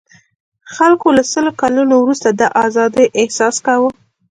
خلکو له سلو کلنو وروسته د آزادۍاحساس کاوه.